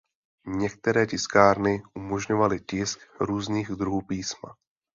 Některé tiskárny umožňovaly tisk různých druhů písma.